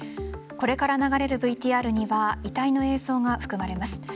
これから流れるＶＴＲには遺体の映像が含まれます。